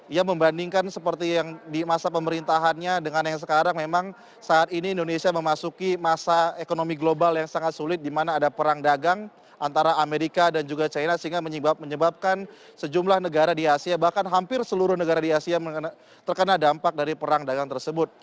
ia membandingkan seperti yang di masa pemerintahannya dengan yang sekarang memang saat ini indonesia memasuki masa ekonomi global yang sangat sulit di mana ada perang dagang antara amerika dan juga china sehingga menyebabkan sejumlah negara di asia bahkan hampir seluruh negara di asia terkena dampak dari perang dagang tersebut